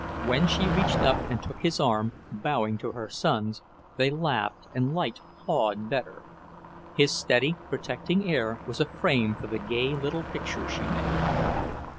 When she reached up and took his arm, bowing to her sons, they laughed and liked Claude better. His steady, protecting air was a frame for the gay little picture she made.